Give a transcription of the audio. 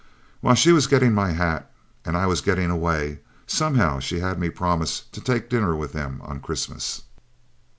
While she was getting my hat and I was getting away, somehow she had me promise to take dinner with them on Christmas.